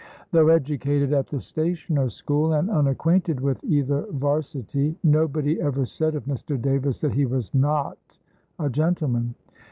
Though educated at the Stationers' School, and unacquainted with either 'Varsity, nobody ever said of Mr. Davis that he was "not a gentleman."